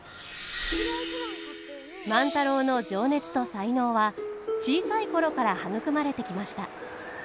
万太郎の情熱と才能は小さい頃から育まれてきました。